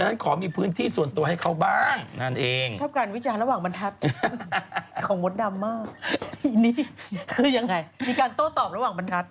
นี่คือยังไงมีการโต้ตอบระหว่างบรรทัด